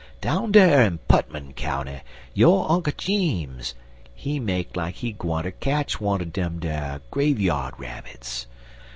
"Down dar in Putmon County yo' Unk Jeems, he make like he gwineter ketch wunner dem dar graveyard rabbits.